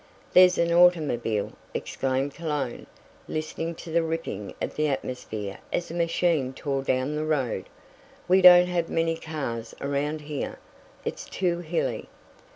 "There's an automobile," exclaimed Cologne, listening to the ripping of the atmosphere as a machine tore down the road. "We don't have many cars around here, it's too hilly."